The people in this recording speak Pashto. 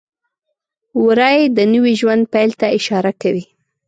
وری د نوي ژوند پیل ته اشاره کوي.